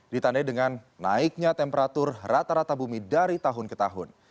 ditandai dengan naiknya temperatur rata rata bumi dari tahun ke tahun